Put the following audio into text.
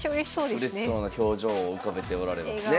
うれしそうな表情を浮かべておられますね。